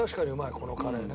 このカレーね。